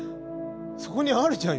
そこにあるじゃん